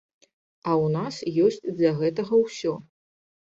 А ў нас ёсць для гэтага ўсё.